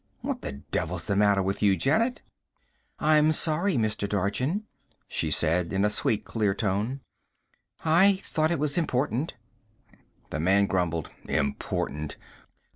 What the devil's the matter with you, Janet?" "I'm sorry, Mr. Dorchin," she said in a sweet, clear tone. "I thought it was important." The man grumbled, "Important!